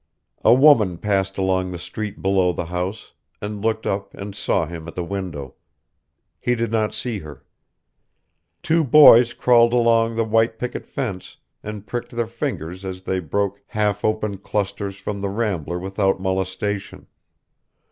A woman passed along the street below the house, and looked up and saw him at the window. He did not see her. Two boys crawled along the white picket fence, and pricked their fingers as they broke half open clusters from the rambler without molestation.